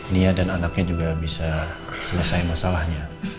nia dan anaknya juga bisa selesai masalahnya